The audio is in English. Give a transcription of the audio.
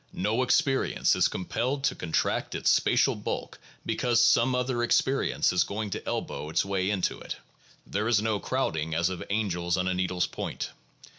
No experience is compelled to contract its spatial bulk because some other experience is going to elbow its way into it. There is no crowding as of angels on a needle's point.